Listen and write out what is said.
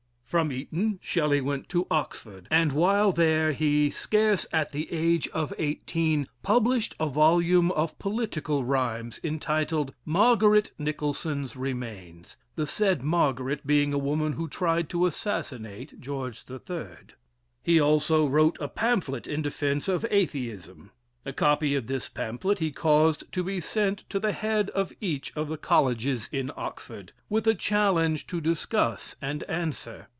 From Eton, Shelley went to Oxford, and while there he, scarce at the age of eighteen, published a volume of political rhymes, entitled "Margaret Nicholson's Remains," the said Margaret being a woman who tried to assassinate George III. He also wrote a pamphlet in defence of Atheism. A copy of this pamphlet he caused to be sent to the head of each of the colleges in Oxford, with a challenge to discuss and answer.